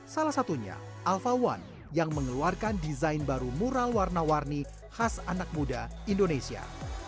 salah satunya alphawan yang mengeluarkan desain baru mural warna warni khas anak muda indonesia